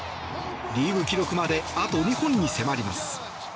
リーグ記録まであと２本に迫ります。